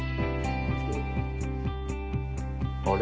あれ？